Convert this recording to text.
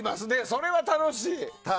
それは楽しい。